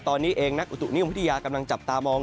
ตอนนี้เองนักอุตุนิยมวิทยากำลังจับตามอง